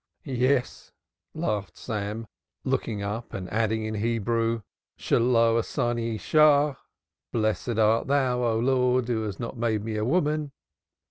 "Yes," laughed Sam, looking up and adding in Hebrew, "Blessed art thou, O Lord, who hath not made me a woman."